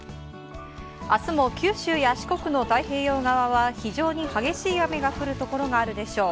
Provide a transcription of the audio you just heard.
明日も九州や四国の太平洋側は非常に激しい雨が降るところがあるでしょう。